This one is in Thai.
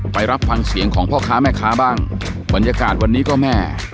รับฟังเสียงของพ่อค้าแม่ค้าบ้างบรรยากาศวันนี้ก็แม่